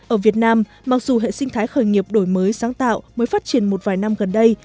ở việt nam mặc dù hệ sinh thái khởi nghiệp đổi mới sáng tạo mới phát triển một vài năm gần đây